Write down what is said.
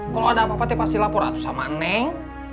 kalau ada apa apa pasti laporan sama nenek